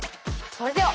それでは。